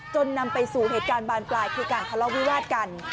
นำไปสู่เหตุการณ์บานปลายคือการทะเลาะวิวาดกัน